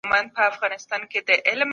اسلامي شريعت د عدالت پلي کوونکی دی.